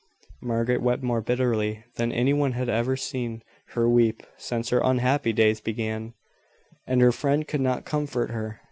Margaret wept more bitterly than any one had seen her weep since her unhappy days began, and her friend could not comfort her.